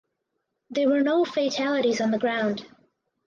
There were no fatalities on the ground.